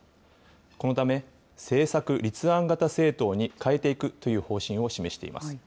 このため、政策立案型政党に変えていくという方針を示しています。